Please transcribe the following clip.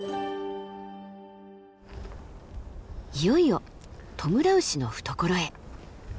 いよいよトムラウシの懐へ。